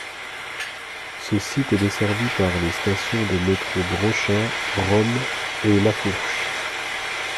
Ce site est desservi par les stations de métro Brochant, Rome et La Fourche.